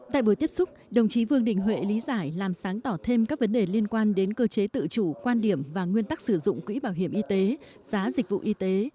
tại buổi tiếp xúc đồng chí vương đình huệ lý giải làm sáng tỏ thêm các vấn đề liên quan đến cơ chế tự chủ quan điểm và nguyên tắc sử dụng quỹ bảo hiểm y tế giá dịch vụ y tế